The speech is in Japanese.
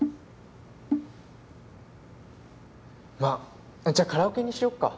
まっじゃカラオケにしよっか。